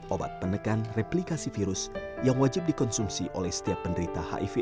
obat penekan replikasi virus yang wajib dikonsumsi oleh setiap penderita hiv